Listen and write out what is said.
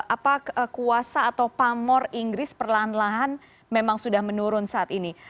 apa kuasa atau pamor inggris perlahan lahan memang sudah menurun saat ini